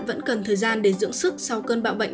vẫn cần thời gian để dưỡng sức sau cơn bão bệnh